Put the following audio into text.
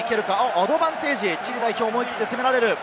アドバンテージ、チリ代表、思い切って攻められる。